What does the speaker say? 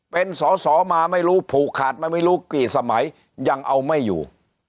เป็นสะสอดฝรวงมาไม่รู้ผู่ขาดมาไม่รู้ยังเอาไม่อยู่